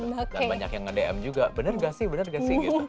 dan banyak yang nge dm juga benar gak sih benar gak sih gitu